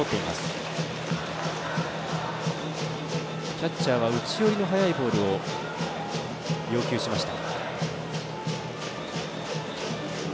キャッチャーは内寄りの速いボールを要求しました。